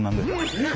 えっ！？